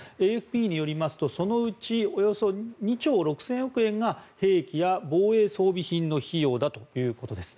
ＡＦＰによりますとそのうちおよそ２兆６０００億円が兵器や防衛装備品の費用だということです。